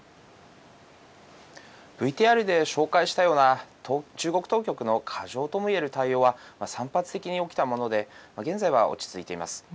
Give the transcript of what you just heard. ＶＴＲで紹介したような中国当局の過剰ともいえる対応は散発的に起きたもので現在は落ち着いています。